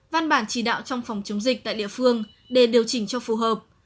văn bản chỉ đạo trong phòng chống dịch tại địa phương để điều chỉnh cho phù hợp